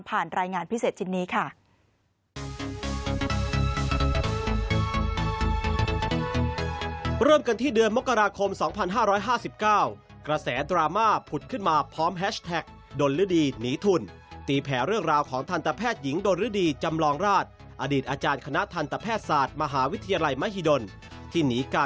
ผ่านรายงานพิเศษจนี้ค่ะ